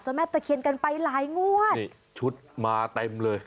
แม่ตะเคียนกันไปหลายงวดนี่ชุดมาเต็มเลย